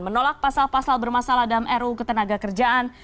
menolak pasal pasal bermasalah dalam ruu ketenaga kerjaan